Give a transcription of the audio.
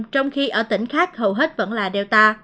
trong khi ở tỉnh khác hầu hết vẫn là delta